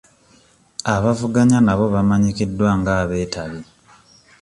Abavuganya nabo bamanyikiddwa nga abeetabi.